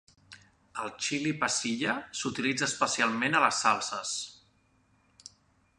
El xili pasilla s'utilitza especialment a les salses.